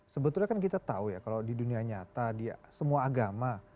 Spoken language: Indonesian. sebetulnya kan kita tahu ya kalau di dunia nyata di semua agama